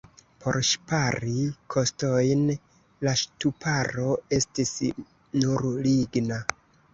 Por ŝpari kostojn la ŝtuparo estis nur ligna.